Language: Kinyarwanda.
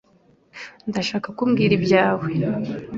Ndashaka ko umbwira ibyawe .